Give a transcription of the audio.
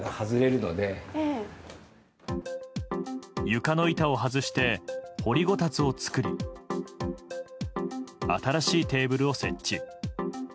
床の板を外して掘りごたつを作り新しいテーブルを設置。